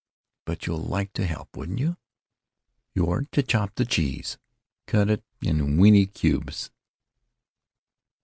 But you'd like to help, wouldn't you? You're to chop the cheese. Cut it into weenty cubes."